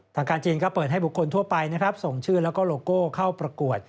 ทางการจีนก็เปิดให้บุคคลทั่วไปนะครับส่งชื่อแล้วก็โลโก้เข้าประกวด